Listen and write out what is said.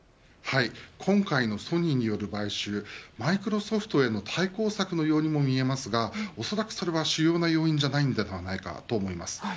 今回のソニーによる買収プロソフトへの対抗策のようにも見えますがおそらくそれは主要な要因ではないと思います。